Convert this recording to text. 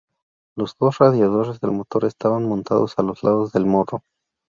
Los dos radiadores del motor estaban montados a los lados del morro.